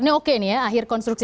ini oke ini ya akhir konstruksi